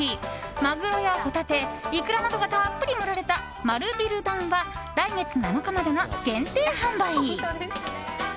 マグロやホタテ、イクラなどがたっぷり盛られた丸ビル丼は来月７日までの限定販売。